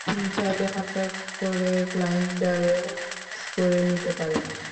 চাইলে হালকা করে গ্লাইন্ডারেও মিক্স করে নিতে পারেন।